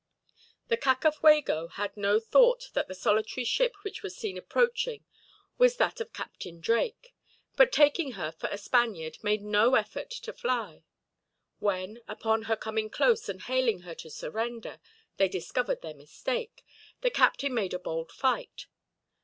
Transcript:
The Cacafuego had no thought that the solitary ship which was seen approaching was that of Captain Drake; but taking her for a Spaniard, made no effort to fly. When, upon her coming close and hailing her to surrender, they discovered their mistake, the captain made a bold fight.